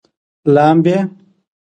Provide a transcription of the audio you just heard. لامبي